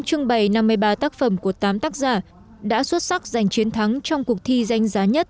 trưng bày năm mươi ba tác phẩm của tám tác giả đã xuất sắc giành chiến thắng trong cuộc thi danh giá nhất